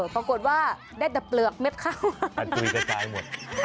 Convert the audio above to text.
ปรากฏว่าได้แต่เปลือกเม็ดข้าว